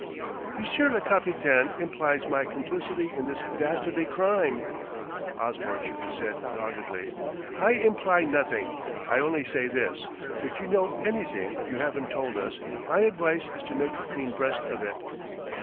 "Monsieur le capitaine implies my complicity in this dastardly crime!" Osborne shook his head doggedly. "I imply nothing. I only say this: if you know anything you haven't told us, my advice is to make a clean breast of it."